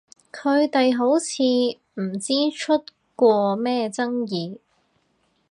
佢哋好似唔知出過咩爭議？